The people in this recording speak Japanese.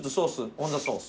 オンザソース。